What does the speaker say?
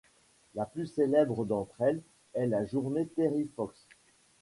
La plus célèbre d'entre elles est la Journée Terry Fox.